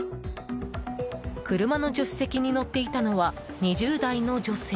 車の助手席に乗っていたのは２０代の女性。